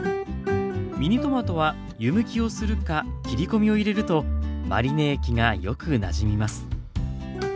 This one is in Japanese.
ミニトマトは湯むきをするか切り込みを入れるとマリネ液がよくなじみます。